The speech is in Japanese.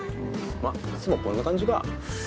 まっいつもこんな感じか。